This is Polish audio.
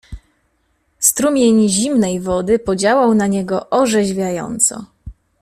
"Strumień zimnej wody podziałał na niego orzeźwiająco."